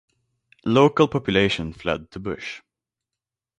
Local population fled to bush.